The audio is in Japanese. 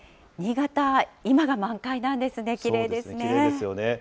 新潟、今が満開なんですね、きれいですね。